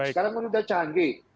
sekarang itu sudah canggih